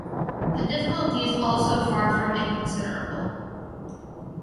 The difficulties also far from inconsiderable.